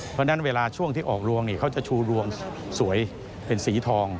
เพราะฉะนั้นเวลาช่วงที่ออกรวงเขาจะชูรวงสวยเป็นสีทอง